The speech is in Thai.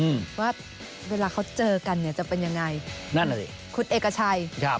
อืมว่าเวลาเขาเจอกันเนี้ยจะเป็นยังไงนั่นแหละสิคุณเอกชัยครับ